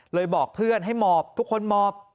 บอกเพื่อนให้หมอบทุกคนหมอบ